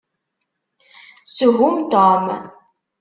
Shum Tom!